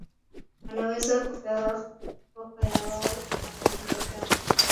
wanaweza kupewa ofa yawao na familia zao